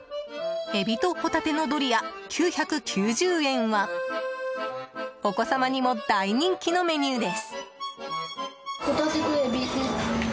エビとホタテのドリア９９０円はお子様にも大人気のメニューです。